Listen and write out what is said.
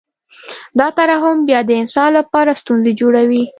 دا ترحم بیا د انسان لپاره ستونزې جوړوي